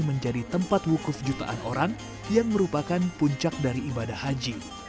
menjadi tempat wukuf jutaan orang yang merupakan puncak dari ibadah haji